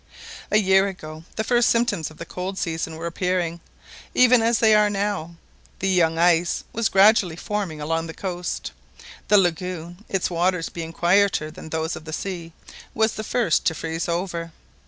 A year ago the first symptoms of the cold season were appearing, even as they were now. The "young ice" was gradually forming along the coast. The lagoon, its waters being quieter than those of the sea, was the first to freeze over.